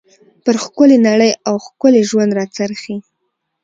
پر ښکلى نړۍ او ښکلي ژوند را څرخي.